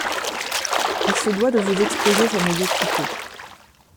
Il se doit de vous exposer sa médiocrité.